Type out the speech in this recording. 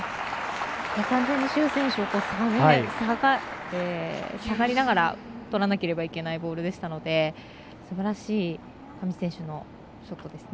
完全に朱選手は下がりながらとらなければいけないボールでしたのですばらしい上地選手のショットですね。